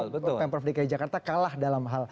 karena memang pemprov dki jakarta kalah dalam hal